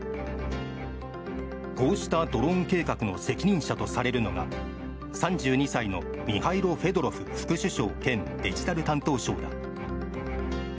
こうしたドローン計画の責任者とされるのが３２歳のミハイロ・フェドロフ副首相兼デジタル担当相だ。